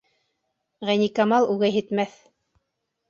Ғәйникамал үгәйһетмәҫ.